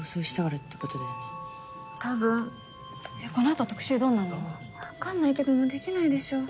えっこのあと特集どうなんの？わかんないけどもうできないでしょ。